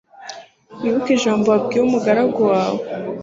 wibuke ijambo wabwiye umugaragu wawe